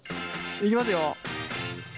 いきますよ。